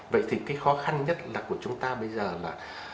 vậy thì cái khó khăn nhất là của chúng ta bây giờ là